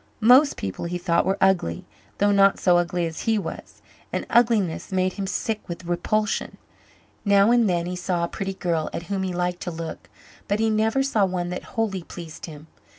Most people, he thought, were ugly though not so ugly as he was and ugliness made him sick with repulsion. Now and then he saw a pretty girl at whom he liked to look but he never saw one that wholly pleased him.